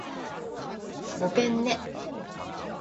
ごぺんね